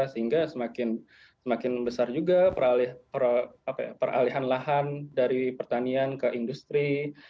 sehingga semakin besar juga peralihan lahan dari pertanian ke industri